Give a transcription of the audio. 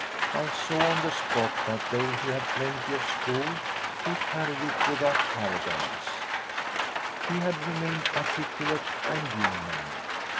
I saw on the spot that though he had plenty of school he carried it without arrogance he had remained articulate and human.